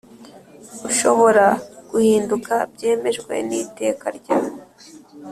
ushobora guhinduka byemejwe n Iteka rya